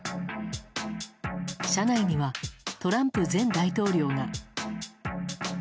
車内には、トランプ前大統領が。